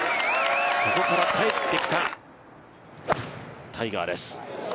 そこから帰ってきたタイガーです。